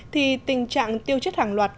thì tình trạng tiêu chết hàng loạt